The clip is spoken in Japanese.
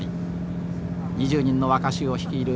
２０人の若衆を率いる